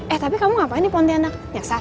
eh tapi kamu ngapain di pontianak nyaksasa